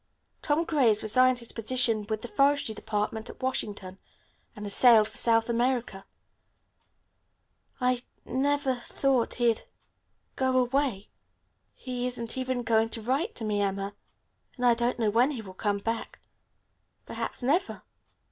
Tom Gray has resigned his position with the Forestry Department at Washington, and has sailed for South America. I never thought he'd go away. He isn't even going to write to me, Emma, and I don't know when he will come back. Perhaps never.